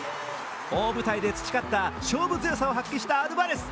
大舞台で培った勝負強さを発揮したアルバレス。